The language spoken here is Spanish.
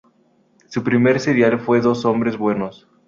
Su primer serial fue "Dos hombres buenos".